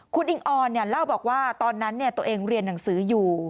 คุณอิงออนเล่าบอกว่าตอนนั้นตัวเองเรียนหนังสืออยู่